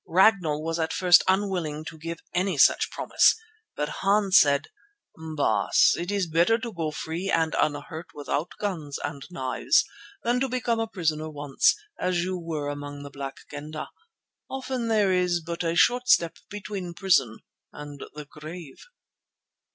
Ragnall was at first unwilling to give any such promise, but Hans said: "Baas, it is better to go free and unhurt without guns and knives than to become a prisoner once, as you were among the Black Kendah. Often there is but a short step between the prison and the grave."